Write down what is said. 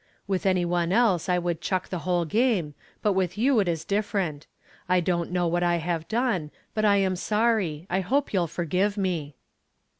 "With any one else I would chuck the whole game, but with you it is different. I don't know what I have done, but I am sorry. I hope you'll forgive me."